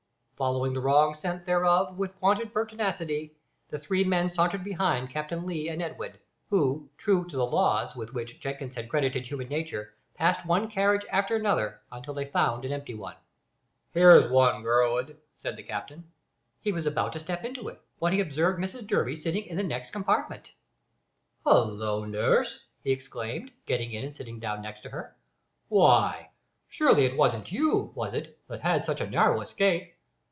Following the wrong scent, therefore, with wonted pertinacity, the three men sauntered behind Captain Lee and Edwin, who, true to the "laws" with which Jenkins had credited human nature, passed one carriage after another until they found an empty one. "Here is one, Gurwood," said the captain. He was about to step into it, when he observed Mrs Durby sitting in the next compartment. "Hallo! nurse," he exclaimed, getting in and sitting down opposite to her; "why, surely it wasn't you, was it, that had such a narrow escape?"